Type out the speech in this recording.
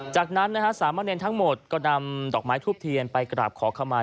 จากนั้นนะฮะสามะเนรทั้งหมดก็นำดอกไม้ทูบเทียนไปกราบขอขมา